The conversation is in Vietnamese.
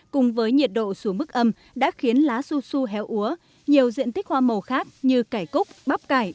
cùng với nhiệt độ xuống mức âm đã khiến lá su su héo úa nhiều diện tích hoa màu khác như cải cúc bắp cải